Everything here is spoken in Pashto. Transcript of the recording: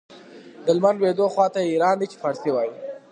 د لمر لوېدو خواته یې ایران دی چې پارسي وايي.